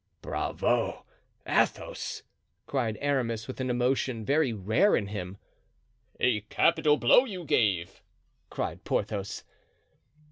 "Bravo! Athos!" cried Aramis, with an emotion very rare in him. "A capital blow you gave!" cried Porthos.